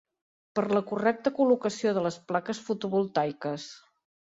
Per la correcta col·locació de les plaques fotovoltaiques.